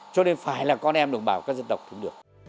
cho nên phải là con em đồng bào các dân tộc cũng được